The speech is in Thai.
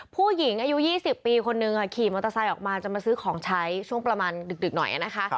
ผู้หญิงอายุ๒๐ปีคนนึงขี่มอเตอร์ไซค์ออกมาจะมาซื้อของใช้ช่วงประมาณดึกหน่อยนะคะ